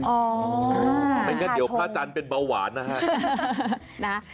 ไม่งั้นเดี๋ยวพระอาจารย์เป็นเบาหวานนะครับ